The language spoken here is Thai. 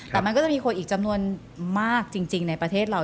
แต่มันก็จะมีคนอีกจำนวนมากจริงในประเทศเรา